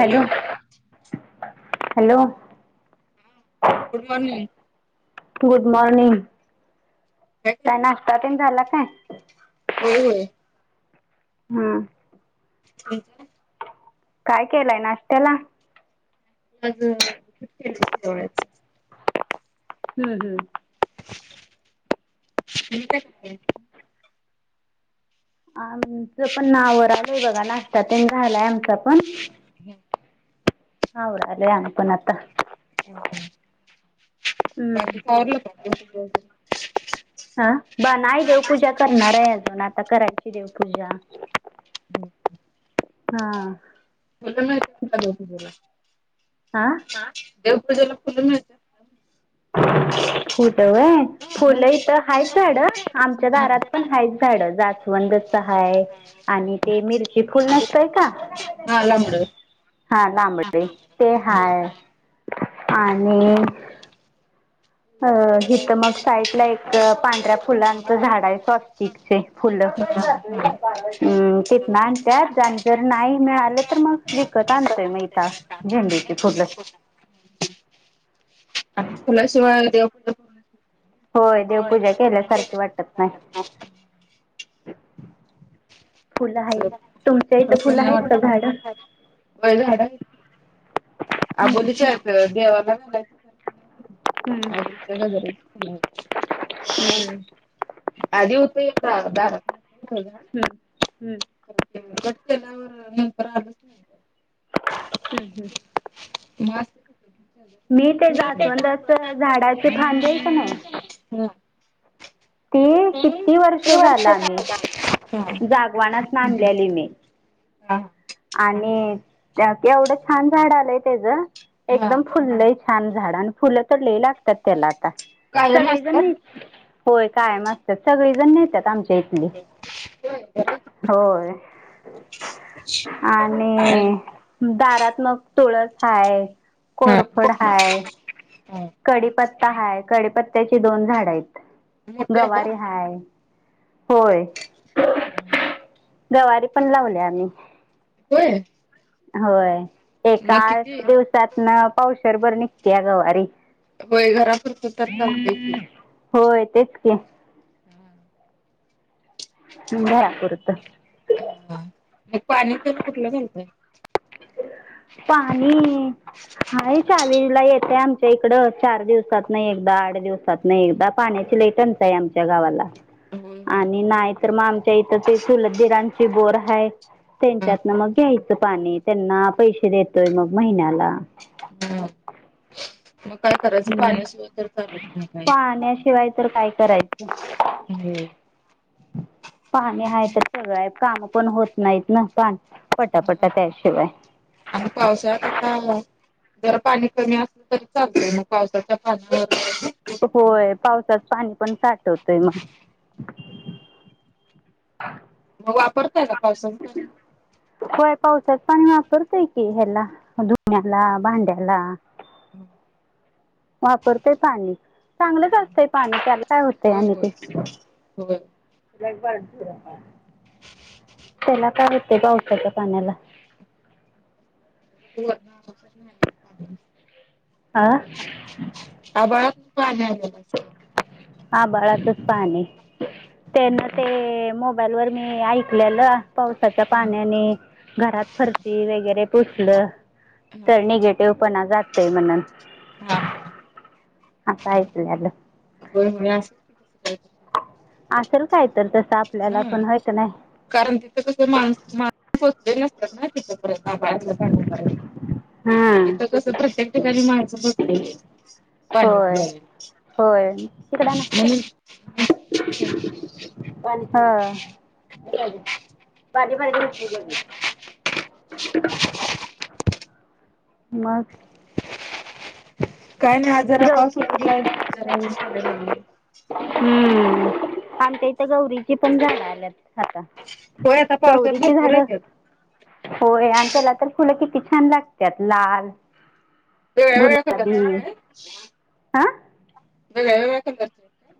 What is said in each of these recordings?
Hello hello. Good morning. Good morning काय नाश्ता पण झाला काय. होय होय. हम्म. ठीक आहे. काय केलंय नाश्त्याला. जती जवळचं. हम्म हम्म. त का काय आहे. आमचं पण नावर आलोय बघा नाश्ता ते झालाय आमचा पण. [inaudible] खाऊ राहिले आम्ही पण आता ह बाकी हम्म चं आवरलं का [unintelligible] ह ब नाही देवपूजा करणार आहे अजून आता करायची देवपूजा. हम्. हा. [unintelligible] हा देवपूजेला फुलं मिळतात. फुटवय मग फुलं इथं हायच झाड आमच्या हं. दारात पण हायच झाड जाचवण. मिरची फुल नसतंय का [unintelligible] लाबडे ते हा आणि. अ हिथं मग साईडला एक पांढऱ्या फुलांच झाड आहे स्वस्तिकचे फुलं. हा हम्म ते नातत जाण जर नाही मिळालं तर मग. त आणतोय मेहता झेंडूची फुल. आणि खुलाशिवाय. होय देवपूजा केल्यासारखी वाटत नाही. [inaudible] फुल आहे. व झा. हम्म आबोलीच्याेत देवाला घालायचंखं. हम्म आगडीच्या गज आधी. हम्म त. हम्. टला नंतर आ. हम्म हम्म. मस्ती [unintelligible] झाडाच खांदच नाही. ती किती वर्ष झाला आम्ही हा जागवाना. सलेली मी. हा आणि एवढं छान झाड आलंय त्याचं. हा एकदम फुललंय छान झाड आणि फुलं तर लि लागत. त्या आ कायम असतात सगळेजण होय कायम असतात सगळेजण न आम. होय बरं आहे की [unintelligible] होय. आणि दारात मग. तुळस हाय हा कोरफड हाय हा कडीप. पता हाय कडेपत्त्याची दोन झाड आहेत मोठे झाल्यात गवारी हाय होय जवारी पण लावले आम्ही होय होय ए मग आठ किती दिवसात ना पावसरभर निघते या गवारी वय घरापत तर चालतंय की होय तेच के हम्म तुम या बरत हा मग पाणी प कुठलं घालतय पाणी हा ावीला येतेय आमच्या इकड चार दिवसात नाही एकदा आठ दिवसात नाही एकदा पाण्या लेटन्स आहे आमच्या गावाला होय होय. आणि नाही तरर मग आमच्या इथं ते सुलधीरांची बोर आहे हा त्यांच्यातन मग घ्यायचं पाणी त्यांना पैसे देतोय मग महिन्याला हा मग काय करायचं हम्म. पाण्यासा तर चालत नाही काय पाण्याशिवाय तर काय होम् पाहणी हा तर सगळं आहे काम पण होत नाहीत न पा. ह आणि पावसात आता. जर पाणी कमी असलं तरी चालत मग पावसाच्या पाण्यावर. होय पावसात पाणी पण साठवतय मग [inaudible] मग वापरताय ना पावसा होय पावसात पाणी वापरतय की ह्याला धुन्याला भांड्याला हम वापरतेय पाणी चांगलंच असतंय पाणी त्याला काय होतंय होय आणि ते होय. होय पर त्याला काय होते पावसाच्या पाण्याला कसंच नाही आ आभाळातनं पाणी आलेलं असतय. हा बाळाचच पाणी त्यांना हम्म. ते मो मोबाल वर मी ऐकलेलं पावसाच्या हम्म पाण्याने घरात फर्ची वगैरे पुसलं हा तर निगेटिव्ह पणा जातय म्हणून हा हा ह सयितलेलो होय होय [inaudible] असेल काय तर तसं आपल्याला हा पण होय का नाही कारण तिथं कस माणस माणचले नसतात ना यर्य हां तथं कस प्रत्येक ठिकाणी मा पण म होय होय तिकडं ना ल सांगितलं अस पाणी हा पाज पा [unintelligible] [inaudible] [unintelligible] मग काय नाही आज जरा गौ पाऊस उघडलाय जरा ऊनडयला लाग. हम्म आणिता इथं गौरीची पण झाण आल्यात आता होय आता पावसात चवररीची भरपूर झाड येत्यात होय आणि त्याला तर फुलं किती छान लागतात लाल ते एखण गुलाबी लाच का हा मव बक बरत का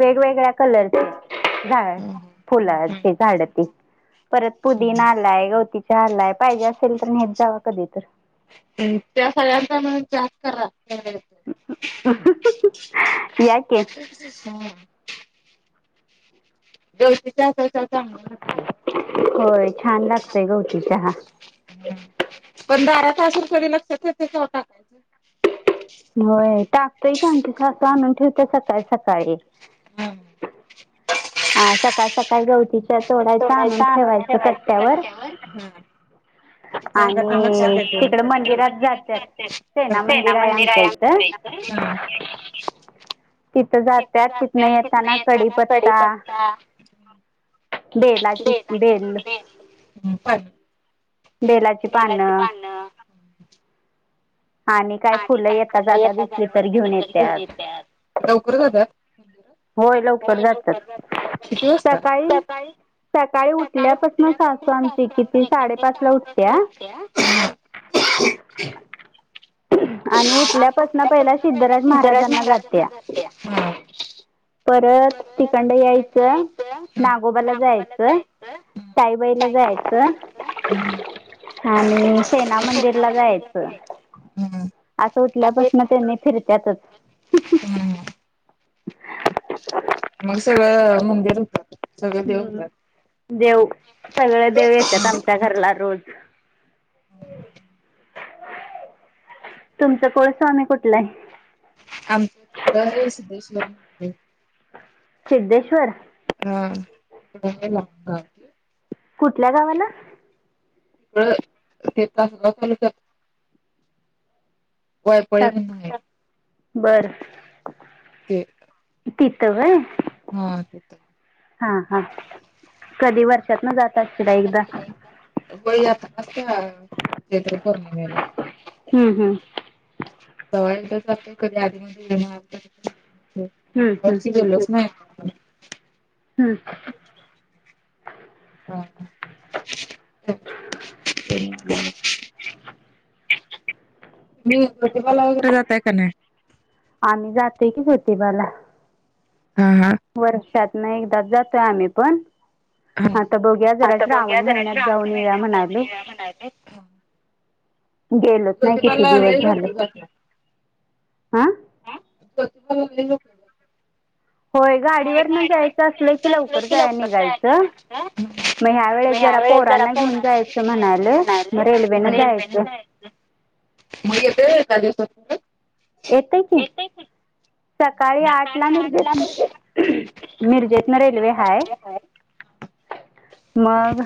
वेगवेगळ्या कलरचे झाड फुलाची झाड त परत पुदी नालाय गवती चालाय पाहिजे असेल तर नेत जावा कधी तर हम् त्या सगळ्यांचा म्हणून जास् करा. याके दळशीचा अस चांगला लागत. होय छान लागतय गवती चहा पण बारा तासून कडी लक्षातव टाकायचं. होय टाकतोय की आमच्या स्स आणून ठेवत सकाळी सकाळी हम. हा सकाळ सकाळी गवती थोडाचा आणून ठेवायचं चटक्यावर लक्षात आणि तिकडे येत तिक मंदिरात जात्यात सेना मंदिर ना मंदिर आमच्या आहे. इथं ह. तिथं जात्यात तिथनं जाते किथ नाही येताना येता ना कडीी कडीपत्ता पत्ता बेलाची देट बेल भट बेलाची पानं आणि काय फुलं येेतात जाता दिसली तर घेऊन येतेत. लवकर जातात होय लवकर जातात. तसत त्या सकाळी सकाळी उठल्यापासून सासू उठल्यापासन आमची सास्रामची किती साडेपाच ला साडेपस उठत्या रजत्या [unintelligible] आणि उठल्यापासून पहिला सिद्धराज महाराजांना जाते. परत तखंड यायचं हा नागोबाला जायचं. साईबाईला जायचं. हम्म. आणि सेना मंदिर ला जायचं. हम्म असं उठल्यापासून त्यांनी फिरततच. हम्म मग सगळं मंदिर होतात सगळे देव हम्म होतात. देव सगळे देव येतात आमच्या घरला रोज तुमचं कोळ स्वामी कुठलं आहे. हो. सिद्धेश्वर हा कढ लांग कुठल्या गावाला तिकडं ते तास चालूत आहे बर ते तिथंय हा ते हा हा कधी वर्षात ना जात अस एकदा होई आता काेत्र पौर्णिमेला हम्म, हम्म. सवय यथच कधी आधी म हम्म, हम्म. येणारीक्ष गेलच नाही. ह. हम्म. [unintelligible] जोतिबाला वगैरे जातय का नाही. आम्ही जाते की जोतिबा ला हा हा वर्षात न एकदाच जातोय आम्ही पण. आता बघूया जरा आता बघुया श्रावण जर महिन्यात श्रावण जाऊन येऊया महिन्यात जावून म्हणाले येऊया म्हणालोय. [inaudible] गेलोच नाही जोतिबा किती ला दिवस लय लोक. झाले हा [unintelligible] गाडीवर जायचं असलं की लवकर जायला निघायच. मग ह्या वेळेस वळे जरा पोरांना घेऊन पोराना घ जायचं म्हणाले मग म्हणालोय रेल्वेनं रेल्वेने जायचं. मग येते त्या दिवसात. परत? ये ते की. सकाळी आठ ला मिर्जेतन मिर्जेतन रेल्वे हाय. मग.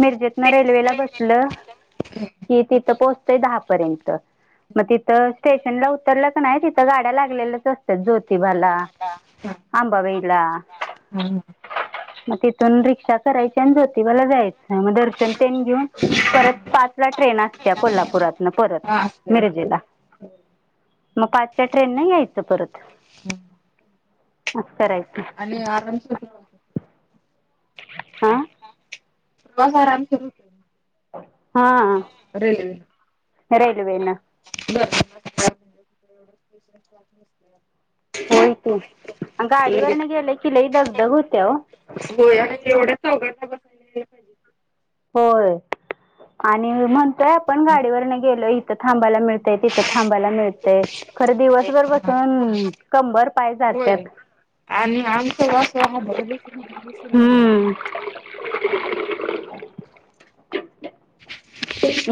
मिरजेतन रेल्वेला बसल कि तिथं पोहोचतंय दहा प मग तिथ स्टेशन ला उतरलं क नाही तिथं गाड्या लागलेल्याच असतात ज्योतिबाला. हा अांबा बाई ला हा म तिथून रिक्षा. करायची आणि जोतिबा ला जायच दर्शन ते घेऊन परत पाच ला ट्रेन असतिया कोल्हापूरात. परत हा असतंय मिरजेला. असतंय. मग पाचच्या ट्रेन न यायचं परत. करायचं आणि आराम सु. आा. आराम सुरत. हा. रेल्वे बर. [unintelligible] होय की गाडीवरन गेलं कि लही दगदग होती या हो. चौघटा बसायलाला पाहिजे. होय आणि म्हणतोय आपण गाडीवरन गेलो इथं थांबायला मिळत. तिथ थांबायला मिळतय खर दिवसभर बसून कंबर. पाय होय जात्यात आणि आमचा वा हा बरस. खुल. हम्म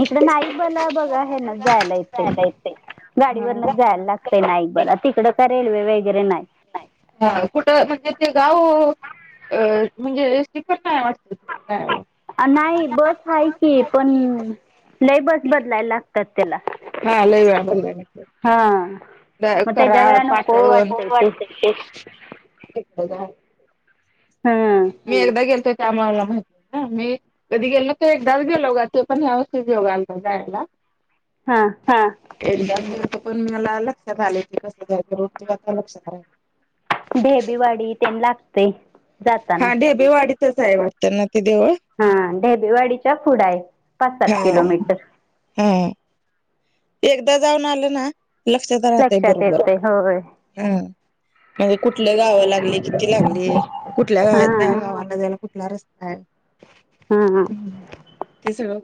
इकडनाही बला बघा हेन जायला येतय. गाडीवरनच हा जायला लागतय नाईक बा ला तिकडं का रेल्वे वगैरे नाही. ह कुठ म्हणजे ते गाव अ म्हणजे त पण नाही वाट. [unintelligible] नाही बस हेाय की पण लय बस बदलायला लागतात त्याला हा लय वेळा बदलाय लागतात. हां मग त्याच्या वेळा कराड नको पाटण. वाटतंय ते हां मी एकदा गेलते. त्यामुळेला माहिती ना मी कधी गेलो तर एकदाच गेलो गा ते पण व्यवस्थित येेऊघाल जायला. हा. एरियामध्ये तर पण मला लक्षात आले क कसयचं रोडता लक्षात राहिल. ढेबेवाडी तेंन लागतय जाताना. तस हाय वाटतं ना ते देव. हा ढबेवाडीच्या पुढा आहे पाच हा सात किलोमीटर. हा एकदा जाऊन आलं ना लक्षात राहतेय लक्षात बरोबर येतंय होय हम. म्हणजे कुठलं गाव लागली किती लागली कुठल्या गावात हा गावाला जा. कुठला रस्ता हा आहे ते सगळं.